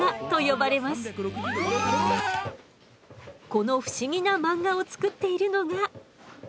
この不思議な漫画を作っているのが。